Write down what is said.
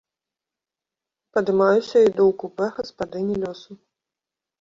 Падымаюся і іду ў купэ гаспадыні лёсу.